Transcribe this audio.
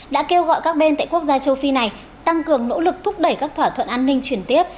đã kêu gọi các bên tại quốc gia châu phi này tăng cường nỗ lực thúc đẩy các thỏa thuận an ninh chuyển tiếp